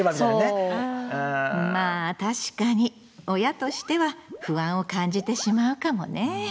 まあ確かに親としては不安を感じてしまうかもね。